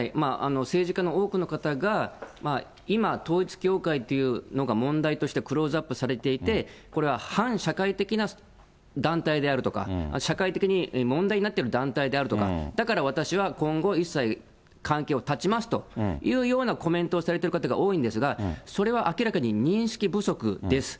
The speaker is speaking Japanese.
政治家の多くの方が、今、統一教会というのが問題としてクローズアップされていて、これは反社会的な団体であるとか、社会的に問題になってる団体であるとか、だから私は今後一切関係を断ちますというようなコメントをされてる方が多いんですが、それは明らかに認識不足です。